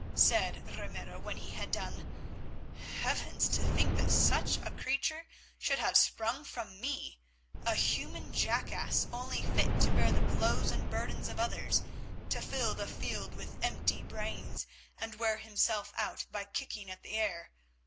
said Ramiro when he had done. "Heavens! to think that such a creature should have sprung from me, a human jackass only fit to bear the blows and burdens of others, to fill the field with empty brayings, and wear himself out by kicking at the air.